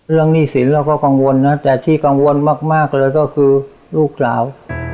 หนี้สินเราก็กังวลนะแต่ที่กังวลมากเลยก็คือลูกสาว